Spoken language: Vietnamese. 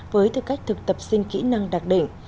với tư cách thực tập sinh kỹ năng đặc định